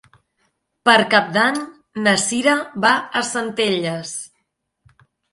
Per Cap d'Any na Sira va a Centelles.